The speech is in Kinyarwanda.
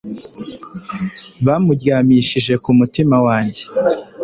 bamuryamishije ku mutima wanjye